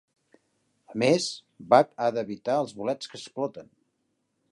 A més, Buck ha d'evitar els bolets que exploten.